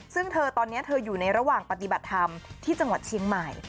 ซึ่งเธอตอนนี้เธออยู่ในระหว่างปฏิบัติธรรมที่จังหวัดเชียงใหม่